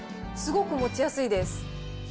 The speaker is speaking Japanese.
すごく持ちやすいです。